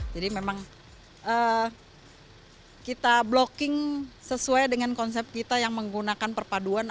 jadi memang kita blocking sesuai dengan konsep kita yang menggunakan perpaduan